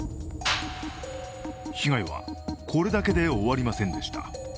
被害は、これだけで終わりませんでした。